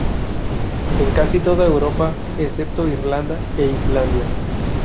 En casi toda Europa, excepto Irlanda e Islandia.